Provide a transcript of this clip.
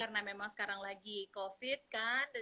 karena memang sekarang lagi covid kan